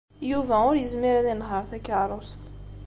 Yuba ur yezmir ad yenheṛ takeṛṛust.